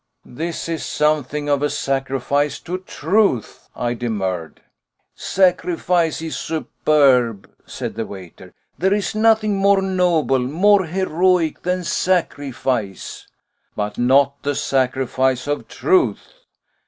"This is something of a sacrifice to truth," I demurred. "Sacrifice is superb!" said the waiter. "There is nothing more noble, more heroic than sacrifice." "But not the sacrifice of truth."